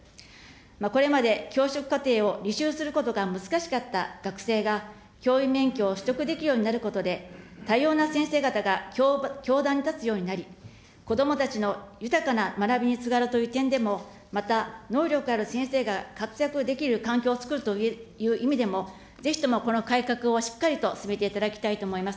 これまで教職課程を履修することが難しかった学生が、教員免許を取得できるようになることで、多様な先生方が教壇に立つようになり、こどもたちの豊かな学びにつながるという点でも、また能力ある先生が活躍できる環境をつくるという意味でも、ぜひともこの改革をしっかりと進めていただきたいと思います。